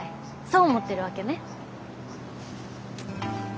そう思ってるわけね？